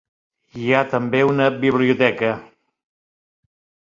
Hi ha també una biblioteca.